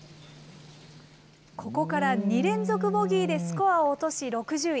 ここから２連続ボギーでスコアを落とし６０位。